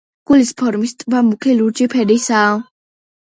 გულის ფორმის ტბა მუქი ლურჯი ფერისაა.